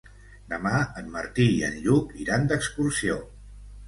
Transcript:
Demà en Martí i en Lluc iran d'excursió.